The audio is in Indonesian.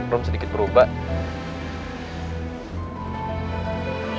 rum sedikit berubah